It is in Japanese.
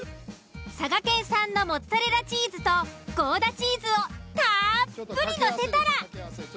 佐賀県産のモッツァレラチーズとゴーダチーズをたっぷりのせたら。